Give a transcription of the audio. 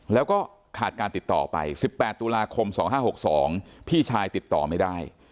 แล้วก็ขาดการติดต่อไปสิบแปดตุลาคมสองห้าหกสองพี่ชายติดต่อไม่ได้